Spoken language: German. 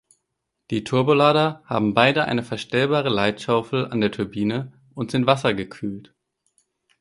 Die Turbolader haben beide eine verstellbare Leitschaufeln an der Turbine und sind wassergekühlt.